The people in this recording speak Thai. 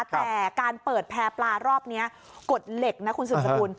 แต่การเปิดแพร่ปลารอบนี้กฎเหล็กนะคุณสุดสกุล